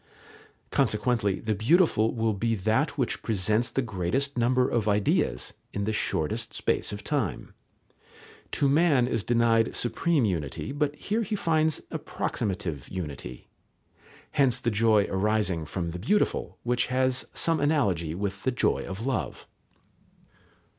Consequently the beautiful will be that which presents the greatest number of ideas in the shortest space of time. To man is denied supreme unity, but here he finds approximative unity. Hence the joy arising from the beautiful, which has some analogy with the joy of love.